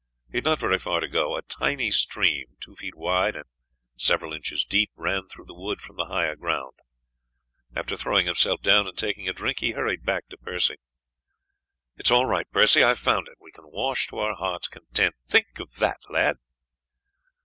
He had not very far to go; a tiny stream, two feet wide and several inches deep, ran through the wood from the higher ground. After throwing himself down and taking a drink, he hurried back to Percy. "It is all right, Percy, I have found it. We can wash to our hearts' content; think of that, lad."